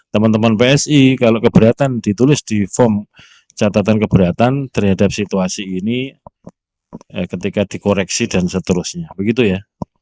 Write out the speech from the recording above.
teman teman psi kalau keberatan ditulis di form catatan keberatan terhadap situasi ini ketika dikoreksi dan seterusnya begitu ya